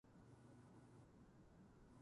ネット回線、速度上がらないかな